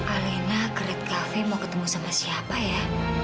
alena ke red cafe mau ketemu sama siapa ya